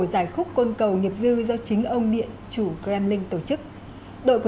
giải khúc côn cầu nhập dư do chính ông điện chủ kremlin tổ chức